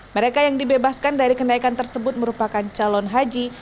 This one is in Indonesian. mereka yang dibebaskan dari kenaikan tersebut merupakan calon haji